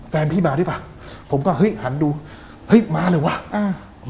แฟนพี่มาด้วยป่ะผมก็เฮ้ยหันดูเฮ้ยมาเลยวะอ่า